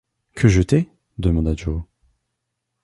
Que jeter ? demanda Joe.